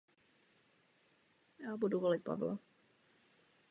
Sám sebe vícekrát nazval „mnichem z Edessy“.